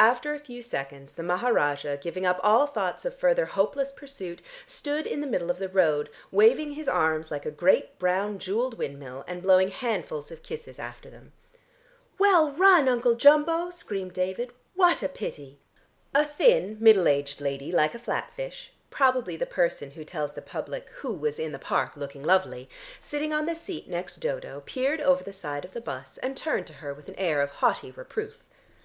After a few seconds the Maharajah giving up all thought of further hopeless pursuit stood in the middle of the road waving his arms like a great brown jewelled windmill, and blowing handfuls of kisses after them. "Well run, Uncle Jumbo!" screamed David. "What a pity!" A thin middle aged lady, like a flat fish (probably the person who tells the public who was in the Park looking lovely) sitting on the seat next Dodo peered over the side of the bus, and turned to her with an air of haughty reproof.